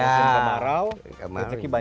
kalau musim kemarau